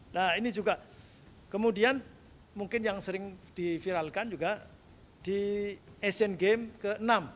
nah ini juga kemudian mungkin yang sering diviralkan juga di asean games ke enam seribu sembilan ratus enam puluh dua